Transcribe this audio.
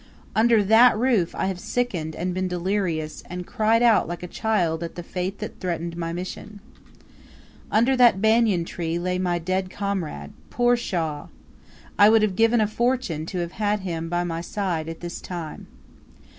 Under that roof I have sickened and been delirious, and cried out like a child at the fate that threatened my mission. Under that banian tree lay my dead comrade poor Shaw; I would have given a fortune to have had him by my side at this time.